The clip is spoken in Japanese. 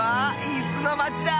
いすのまちだ！